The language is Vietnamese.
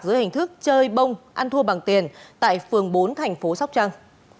dưới hình thức chơi bông ăn thua bằng tiền tại phường bốn thành phố sóc trăng